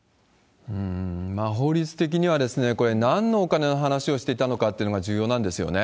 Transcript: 法律的にはこれ、なんのお金の話をしていたのかっていうのが重要なんですよね。